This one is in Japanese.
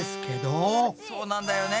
そうなんだよね。